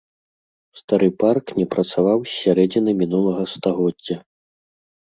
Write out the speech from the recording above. Стары парк не працаваў з сярэдзіны мінулага стагоддзя.